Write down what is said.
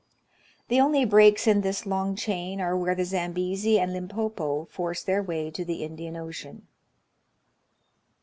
The only breaks in this long chain are where the Zambezi and Limpopo force their way to the Indian Ocean.